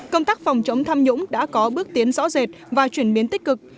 công tác phòng chống tham nhũng đã có bước tiến rõ rệt và chuyển biến tích cực